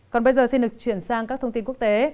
còn bây giờ xin được chuyển sang các thông tin quốc tế